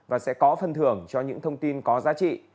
và sẽ có phân thưởng cho những thông tin có giá trị